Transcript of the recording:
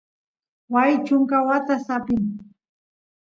waay chunka watas apin